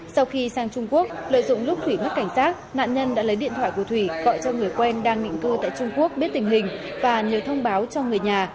sau khi sang trung quốc lợi dụng lúc thủy mất cảnh sát nạn nhân đã lấy điện thoại của thủy gọi cho người quen đang định cư tại trung quốc biết tình hình và nhờ thông báo cho người nhà